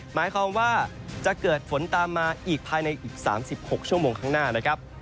หมายความว่าจะเกิดฝนตามมาอีกภายในอีก๓๖ชั่วโมงข้างหน้านะครับ